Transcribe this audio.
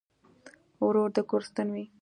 ورور د کور ستن وي.